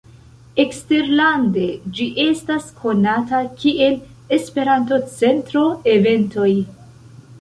Eksterlande ĝi estas konata kiel "Esperanto-Centro Eventoj".